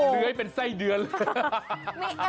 เลื้อยเป็นไส้เดือนเลย